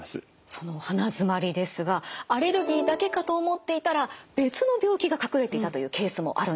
その鼻づまりですがアレルギーだけかと思っていたら別の病気が隠れていたというケースもあるんです。